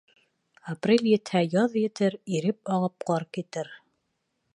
Апрель етһә, яҙ етер, иреп ағып ҡар китер.